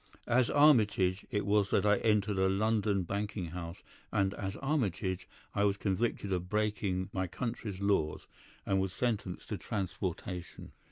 As Armitage it was that I entered a London banking house, and as Armitage I was convicted of breaking my country's laws, and was sentenced to transportation.